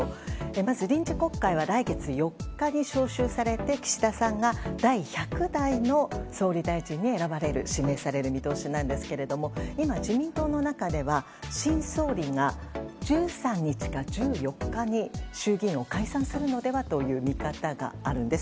まず臨時国会は来月４日に召集されて岸田さんが第１００代の総理大臣に指名される見通しなんですが今、自民党の中では新総理が１３日か１４日に衆議院を解散するのではという見方があるんです。